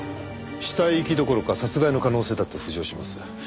死体遺棄どころか殺害の可能性だって浮上します。